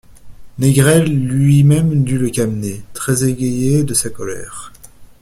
Négrel lui-même dut le calmer, très égayé de sa colère.